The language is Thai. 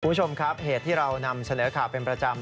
คุณผู้ชมครับเหตุที่เรานำเสนอข่าวเป็นประจำ